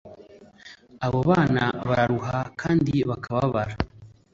Abo bana bararuha kandi bakababara.